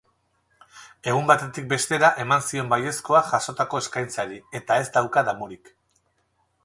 Egun batetik bestera eman zion baiezkoa jasotako eskaintzari eta ez dauka damurik.